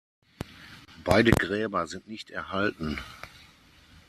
Beide Gräber sind nicht erhalten.